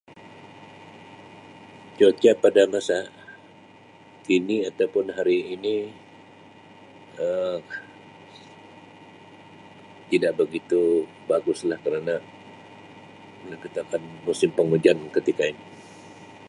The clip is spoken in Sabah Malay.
Cuaca pada masa kini ataupun hari ini Um tidak begitu bagus lah kerana kita akan musim penghujan ketika ini.